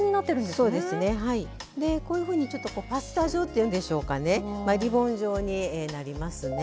でこういうふうにちょっとパスタ状というんでしょうかねリボン状になりますね。